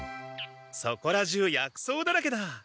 そこら中薬草だらけだ！